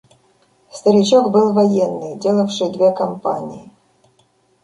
Старичок был военный, делавший две кампании.